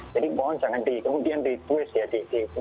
jadi mohon jangan dikemudian di twist diutar balik atau dirancukan